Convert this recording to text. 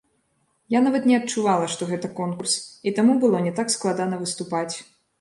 Я нават не адчувала, што гэта конкурс, і таму было не так складана выступаць.